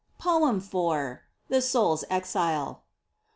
Poem 4. THE SOUL'S EXILE.